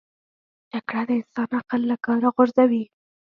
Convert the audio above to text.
جګړه د انسان عقل له کاره غورځوي